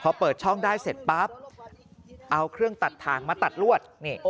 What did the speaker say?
พอเปิดช่องได้เสร็จปั๊บเอาเครื่องตัดถ่างมาตัดลวด